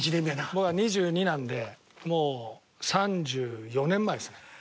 僕が２２なんでもう３４年前ですね。